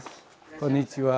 こんにちは。